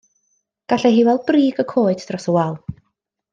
Gallai hi weld brig y coed dros y wal.